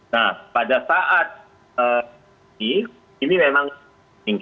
nah pada saat ini ini memang tinggi